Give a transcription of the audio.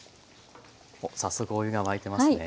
おっ早速お湯が沸いてますね。